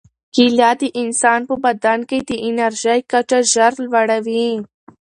کیله د انسان په بدن کې د انرژۍ کچه ژر لوړوي.